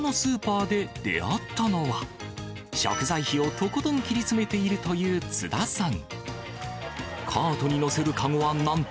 埼玉県にあるこちらのスーパーで出会ったのは、食材費をとことん切り詰めているという津田さん。